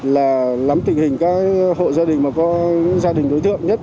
là nắm tình hình các hộ gia đình mà có gia đình đối tượng nhất